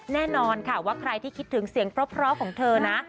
แน่นอนค่ะว่าใครที่คิดถึงเสียงเพราะของเธอนะ